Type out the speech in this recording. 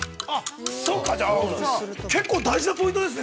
◆そう、結構大事なポイントですね。